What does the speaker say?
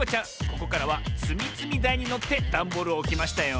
ここからはつみつみだいにのってダンボールをおきましたよ。